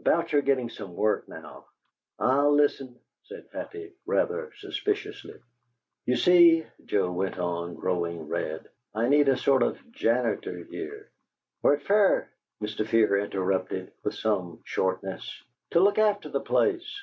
About your getting some work, now " "I'll listen," said Happy, rather suspiciously. "You see," Joe went on, growing red, "I need a sort of janitor here " "What fer?" Mr. Fear interrupted, with some shortness. "To look after the place."